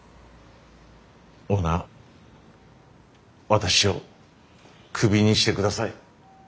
オーナー私をクビにしてください。